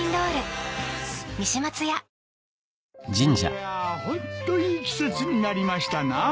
いやホントいい季節になりましたな。